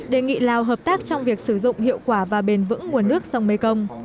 đề nghị lào hợp tác trong việc sử dụng hiệu quả và bền vững nguồn nước sông mekong